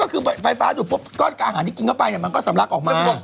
ก็คือไฟฟ้าดูดปุ๊บก้อนอาหารที่กินเข้าไปมันก็สำลักออกมาหมด